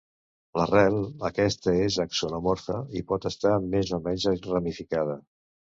La rel, aquesta és axonomorfa i pot estar més o menys ramificada.